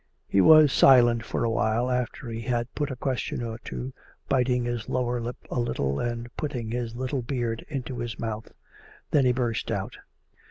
He was silent for a while after he had put a question or two, biting his lower lip a little, and putting his little beard into his mouth. Then he burst out.